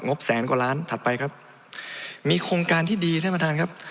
บแสนกว่าล้านถัดไปครับมีโครงการที่ดีท่านประธานครับ